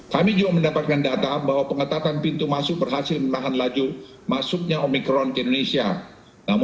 kami juga mendapatkan data bahwa pengetatan pintu masuk berhasil menahan laju masuknya omikron ke indonesia